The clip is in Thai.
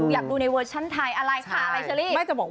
อยากดูในเวอร์ชั่นไทยอะไรค่ะอะไรเชอรี่